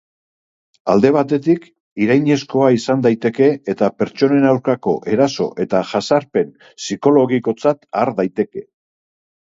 Alde batetik, irainezkoa izan daiteke eta pertsonen aurkako eraso eta jazarpen psikologikotzat har daiteke.